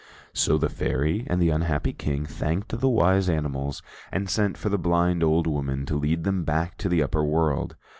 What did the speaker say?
So the Fairy and the unhappy King thanked the wise animals, and sent for the blind old women to lead them back to the upper world.